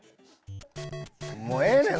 もうええねん！